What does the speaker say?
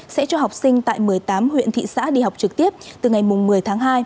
sẽ cho học sinh tại một mươi tám huyện thị xã đi học trực tiếp từ ngày một mươi tháng hai